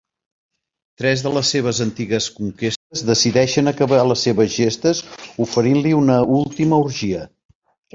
Tres de les seves antigues conquestes decideixen acabar les seves gestes oferint-li una última orgia.